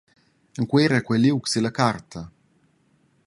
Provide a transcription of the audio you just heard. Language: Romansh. Encuera quei liug silla carta.